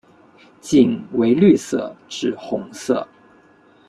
茎为绿色至红色。